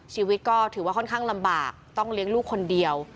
ชีวิตก็ถือว่าค่อนข้างลำบากต้องเลี้ยงลูกคนเดียว